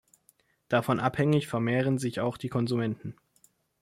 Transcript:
Davon abhängig vermehren sich auch die Konsumenten.